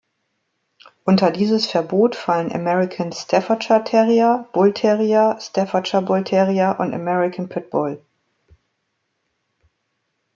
Unter dieses Verbot fallen American Staffordshire Terrier, Bullterrier, Staffordshire Bullterrier und American Pit Bull.